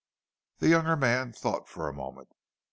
The younger man thought for a moment.